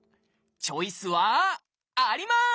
チョイスはあります！